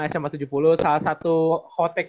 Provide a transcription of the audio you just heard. sma tujuh puluh salah satu hot take